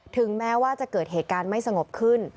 ถึงแม้ว่าจะเกิดเหตุการณ์ไม่สงบขึ้น